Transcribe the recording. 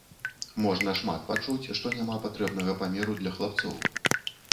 Можна шмат пачуць, што няма патрэбнага памеру для хлапцоў.